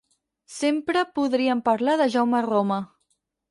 Sempre podrien parlar de Jaume Roma.